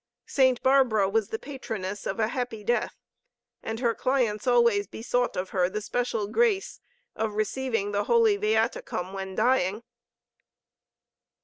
Saint Barbara was the patroness of a happy death and her clients always besought of her the special grace of receiving the Holy Viaticum when dying.